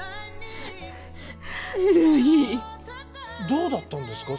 どうだったんですか？